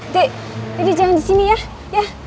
dek dedi jangan disini ya